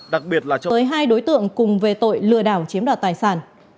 đặc biệt là chơi hai đối tượng cùng về tội lừa đảo chiếm đoạt tài sản